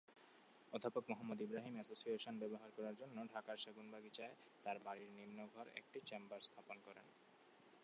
অধ্যাপক মুহাম্মদ ইব্রাহিম এসোসিয়েশন ব্যবহার করার জন্য ঢাকার সেগুনবাগিচায় তার বাড়ির নিম্ন ঘর একটি চেম্বার করেন।